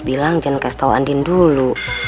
dibilang jangan kasih tau andin dulu